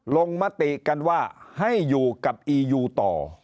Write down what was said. ลงมติกันว่าให้อยู่กับอียูต่อ